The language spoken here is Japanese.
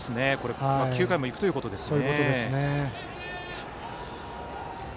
９回も行くということですね。